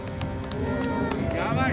・やばい！